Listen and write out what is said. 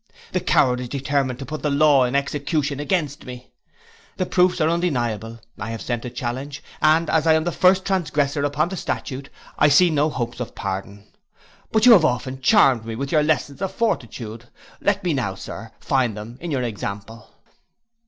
The coward is determined to put the law in execution against me, the proofs are undeniable, I have sent a challenge, and as I am the first transgressor upon the statute, I see no hopes of pardon. But you have often charmed me with your lessons of fortitude, let me now, Sir, find them in your example.